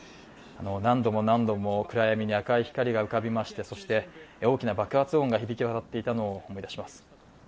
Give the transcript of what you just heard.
何度も何度も暗闇に赤い光が浮かびましてそして大きな爆発音が響き渡っていたのを思い出します。